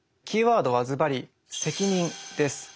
キーワードはズバリ「責任」です。